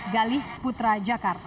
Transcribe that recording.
galih putra jakarta